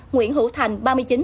nguyễn hữu thành